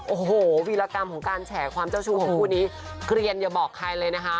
โอ้โหวีรกรรมของการแฉความเจ้าชู้ของคู่นี้เกลียนอย่าบอกใครเลยนะคะ